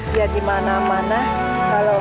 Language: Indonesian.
ida itu emang bener bener bukan anak nena